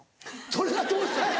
それがどうしたんや？